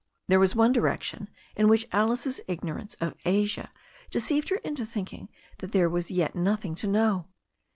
There was one direction in which Alice's ignorance of Asia deceived her into thinking that there was yet nothing to know.